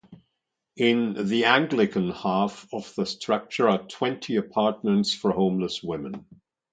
In the Anglican half of the structure are twenty apartments for homeless women.